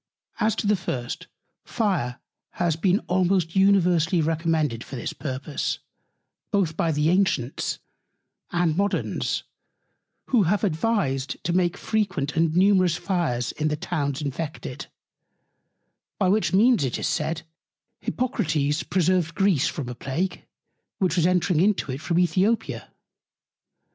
As to the first; Fire has been almost universally recommended for this Purpose, both by the Ancients and Moderns; who have advised to make frequent and numerous Fires in the Towns infected: By which Means, it is said, Hippocrates preserved Greece from a Plague, which was entring into it from Æthiopia.